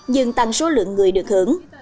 dừng tăng số lượng người được hưởng